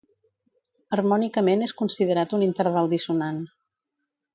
Harmònicament és considerat un interval dissonant.